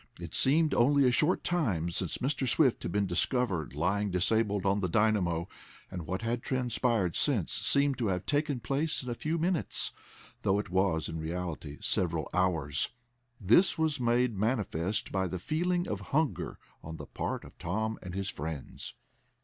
It seemed only a short time since Mr. Swift had been discovered lying disabled on the dynamo, and what had transpired since seemed to have taken place in a few minutes, though it was, in reality, several hours. This was made manifest by the feeling of hunger on the part of Tom and his friends.